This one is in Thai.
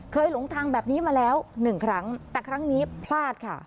หลงทางแบบนี้มาแล้วหนึ่งครั้งแต่ครั้งนี้พลาดค่ะ